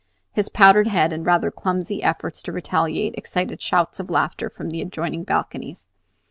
His powdered head and rather clumsy efforts to retaliate excited shouts of laughter from the adjoining balconies.